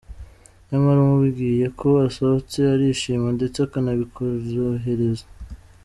Nyamara umubwiye ko usohotse arishima ndetse akanabikorohereza.